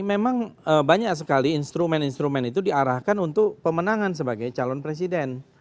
memang banyak sekali instrumen instrumen itu diarahkan untuk pemenangan sebagai calon presiden